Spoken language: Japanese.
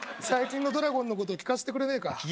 最近のドラゴンのこと聞かせてくれねえか